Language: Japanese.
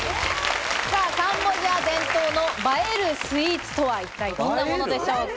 カンボジア伝統の映えるスイーツとは一体どんなものでしょうか？